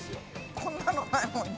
こんなのないもんね？